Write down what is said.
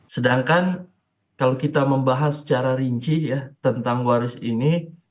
sedangkan kalau kita membahas secara rinci ya tentang waris ini